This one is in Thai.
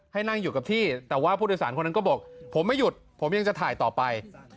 ให้นั่งอยู่กับที่แต่ว่าผู้โดยสารคนนั้นก็บอกผมไม่หยุดผมยังจะถ่ายต่อไป